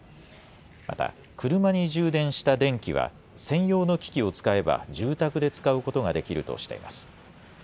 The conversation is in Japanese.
また、車に充電した電気は、専用の機器を使えば、住宅で使うことができるとしています。